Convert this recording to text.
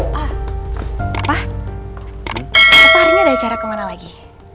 pak pak pak rini ada acara kemana lagi